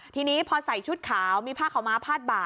ทีนี้พอใส่ชุดขาวมีภาคเข้ามาพาดบ่า